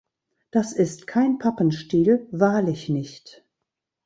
Das ist kein Pappenstiel, wahrlich nicht!